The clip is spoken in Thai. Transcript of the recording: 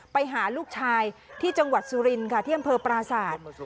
ไปหาลูกชายที่จังหวัดสุรินค่ะที่อำเภอปราศาสตร์